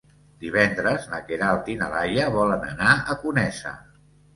Divendres na Queralt i na Laia volen anar a Conesa.